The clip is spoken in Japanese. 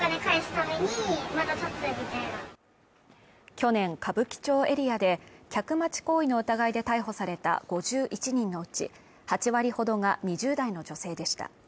去年歌舞伎町エリアで客待ち行為の疑いで逮捕された５１人のうち８割ほどが２０代の女性でした。